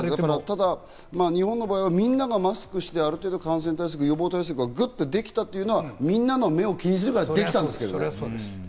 日本の場合はみんながマスクをして予防対策がぐっとできたというのがみんなの目を気にするからできたんですけどね。